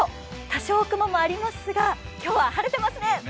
多少、雲もありますが今日は晴れていますね。